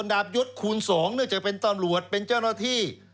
ดาบยุทธ์คูณสองเนื่องจะเป็นต้อนรวชเป็นเจ้าหน้าที่